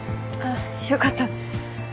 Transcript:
よかった。